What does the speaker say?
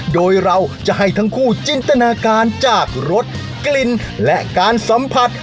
โดยเราจะให้ทั้งคู่จินตนาการจากรสกลิ่นและการสัมผัส